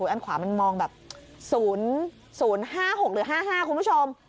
อันขวามันมองแบบ๐๐๕๖หรือ๕๕คุณผู้ชม